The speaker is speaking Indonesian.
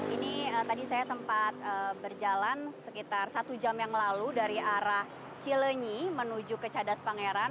ini tadi saya sempat berjalan sekitar satu jam yang lalu dari arah cilenyi menuju ke cadas pangeran